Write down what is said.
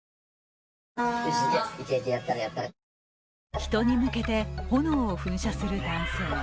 人に向けて炎を噴射する男性。